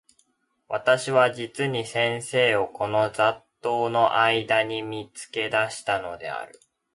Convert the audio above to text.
私は実に先生をこの雑沓（ざっとう）の間（あいだ）に見付け出したのである。